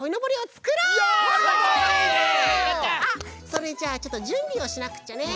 それじゃあちょっとじゅんびをしなくっちゃね。